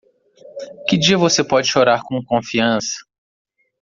Que dia você pode chorar com confiança?